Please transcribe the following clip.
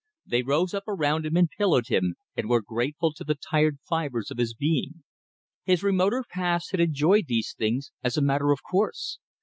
They rose up around him and pillowed him, and were grateful to the tired fibers of his being. His remoter past had enjoyed these things as a matter of course.